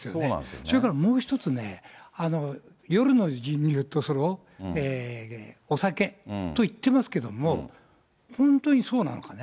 それからもう一つね、夜の人流とそのお酒と言ってますけれども、本当にそうなのかね。